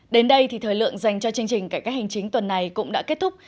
đến đây thì thời lượng dành cho chương trình cải cách hành chính tuần này cũng đã kết thúc